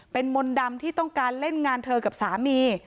เป็นมนต์ดำที่ต้องการเล่นงานเธอกับสามี